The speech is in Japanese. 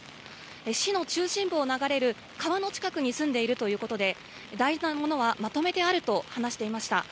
市の中心部を流れる川の近くに住んでいるということで大事なものはまとめてあると話していました。